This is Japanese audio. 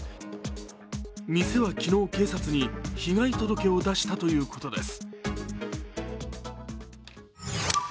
店は昨日、警察に被害届を出したということです。